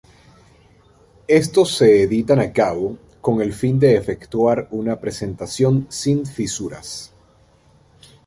Estos se editan a cabo con el fin de efectuar una presentación sin fisuras.